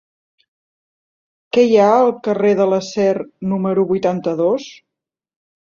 Què hi ha al carrer de l'Acer número vuitanta-dos?